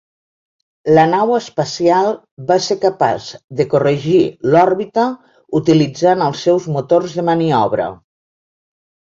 La nau espacial van ser capaç de corregir l'òrbita utilitzant els seus motors de maniobra.